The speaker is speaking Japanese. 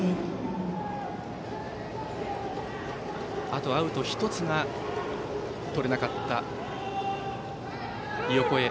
あとアウト１つがとれなかった横江。